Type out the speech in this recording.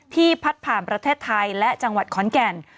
พัดผ่านประเทศไทยและจังหวัดขอนแก่น